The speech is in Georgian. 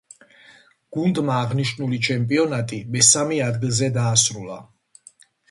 გუნდმა აღნიშნული ჩემპიონატი მესამე ადგილზე დაასრულა.